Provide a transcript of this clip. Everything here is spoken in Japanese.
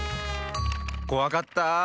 こわかったあ。